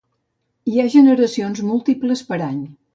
Hi ha generacions múltiples per any.